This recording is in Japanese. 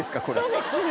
そうですね